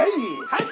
はい！